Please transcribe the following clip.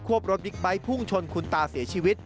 วบรถบิ๊กไบท์พุ่งชนคุณตาเสียชีวิต